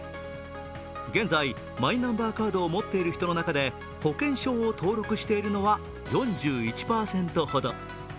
現在、マイナンバーカードを持っている人の中で保険証を登録しているのは４１％ほど。